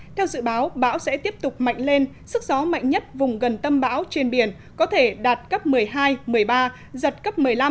theo dự báo bão sẽ tiếp tục mạnh lên sức gió mạnh nhất vùng gần tâm bão trên biển có thể đạt cấp một mươi hai một mươi ba giật cấp một mươi năm